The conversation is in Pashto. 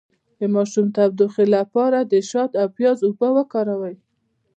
د ماشوم د ټوخي لپاره د شاتو او پیاز اوبه وکاروئ